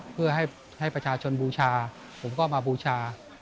เพื่อให้ประชาชนบูชาผมก็มาบูชา